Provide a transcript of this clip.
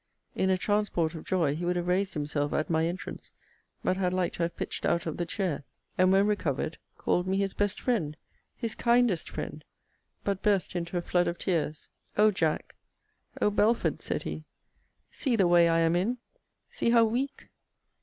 In a transport of joy, he would have raised himself at my entrance, but had like to have pitched out of the chair: and when recovered, called me his best friend! his kindest friend! but burst into a flood of tears: O Jack! O Belford! said he, see the way I am in! See how weak!